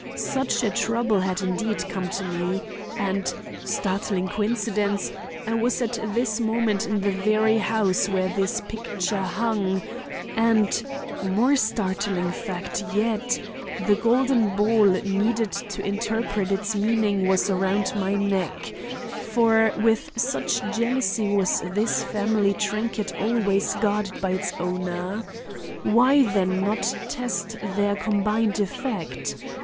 Such a trouble had indeed come to me, and—startling coincidence—I was at this moment in the very house where this picture hung, and—more startling fact yet—the golden ball needed to interpret its meaning was round my neck—for with such jealousy was this family trinket always guarded by its owner. Why then not test their combined effect?